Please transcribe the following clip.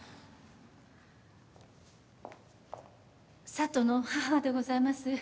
佐都の母でございます。